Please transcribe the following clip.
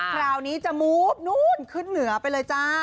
คราวนี้จะมูบนู้นขึ้นเหนือไปเลยจ้า